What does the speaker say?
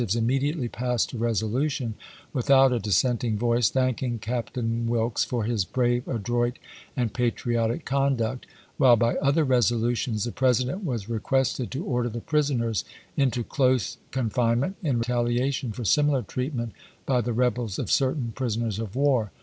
immediately passed a resolution, without a dis senting voice, thanking Captain Wilkes for his "brave, adroit, and patriotic conduct"; while by other resolutions the President was requested to order the prisoners into close confinement, in re taliation for similar treatment by the rebels of certain prisoners of war.